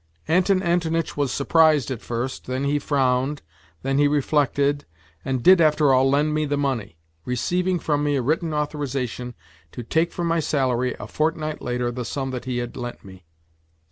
Anton Antonitch was surprised at first, then he frowned, then he re flected, and did after all lend me the money, receiving from me a written authorization to take from my salary a fortnight later the sum that he had lent me.